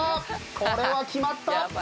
これは決まった！